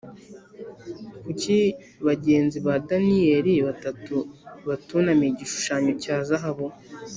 Kuki bagenzi ba daniyeli batatu batunamiye igishushanyo cya zahabu